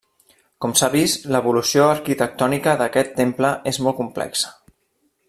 Com s'ha vist, l'evolució arquitectònica d'aquest temple és molt complexa.